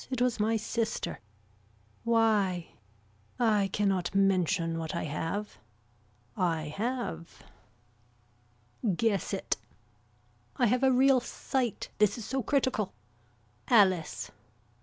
It was my sister. Why. I cannot mention what I have. I have. Guess it. I have a real sight. This is so critical. Alice.